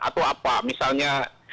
atau apa misalnya